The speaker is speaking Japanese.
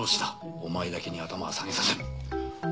お前だけに頭は下げさせん。